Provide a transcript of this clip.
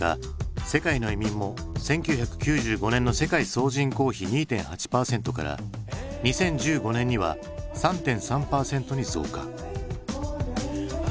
世界の移民も１９９５年の世界総人口比２．８％から２０１５年には３．３％に増加。